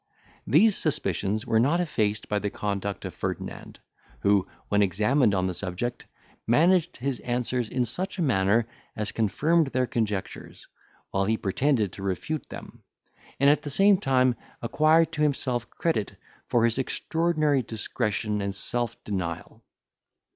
These suspicions were not effaced by the conduct of Ferdinand, who, when examined on the subject, managed his answers in such a manner, as confirmed their conjectures, while he pretended to refute them, and at the same time acquired to himself credit for his extraordinary discretion and self denial.